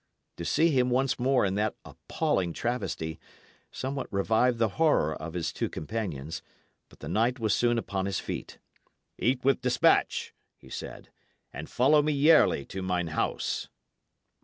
To see him once more in that appalling travesty somewhat revived the horror of his two companions. But the knight was soon upon his feet. "Eat with despatch," he said, "and follow me yarely to mine house."